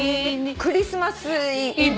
『クリスマス・イブ』？